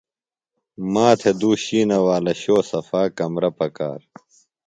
ما تھےۡ دُو شِینہ والہ شو صفا کمرہ پکار۔